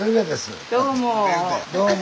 どうも。